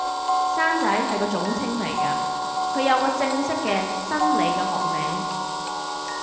生仔係個總稱嚟噶，佢有個正式嘅、生理嘅學名